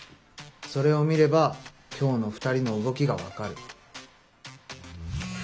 それを見れば今日の２人の動きが分かる。